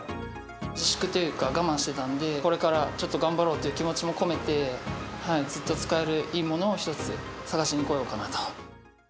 自粛というか、我慢してたんで、これからちょっと頑張ろうという気持ちも込めて、ずっと使えるいいものを１つ、探しに来ようかなと。